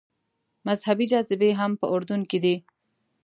مذهبي جاذبې هم په اردن کې دي.